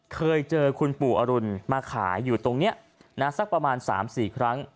เคยเจอคุณปู่อรุณมาขายอยู่ตรงนี้นะสักประมาณ๓๔ครั้ง